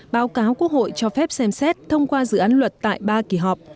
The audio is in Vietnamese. báo cáo quốc hội cho phép xem xét thông qua dự án luật tại ba kỳ họp